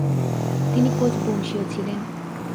তিনি কোচ বংশীয় ছিলেন।